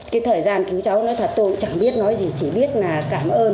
cái thời gian cứu cháu nói thật tôi cũng chẳng biết nói gì chỉ biết là cảm ơn